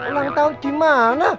ulang tahun gimana